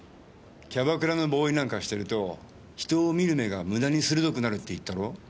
キャバクラのボーイなんかしてると人を見る目が無駄に鋭くなるって言ったろ？